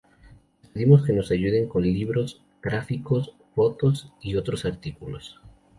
Les pedimos que nos ayuden con libros, gráficos, fotos y otros artículos.